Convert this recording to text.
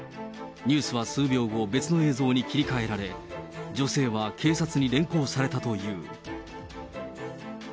ニュースは数秒後、別の映像に切り替えられ、女性は警察に連行されたという。